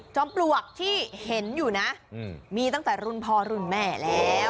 ปลวกที่เห็นอยู่นะมีตั้งแต่รุ่นพ่อรุ่นแม่แล้ว